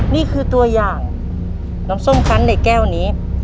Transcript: นี่คือตัวอย่างน้ำส้มคันในแก้วนี้